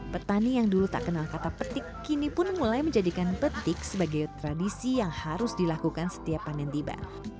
petani yang dulu tak kenal kata petik kini pun mulai menjadikan petik sebagai tradisi yang harus dilakukan setiap panen tiba